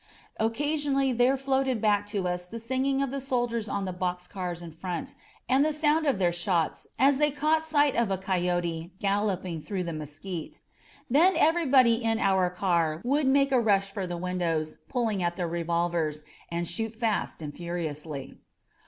Occasionally there floated back to us the singing of the soldiers on the box cars in front and the sound of their shots as they caught sight of a coyote galloping through the mesquite. Then everybody in our car would make a rush for the windows, pulling at their revolvers, and shoot fast and furiously.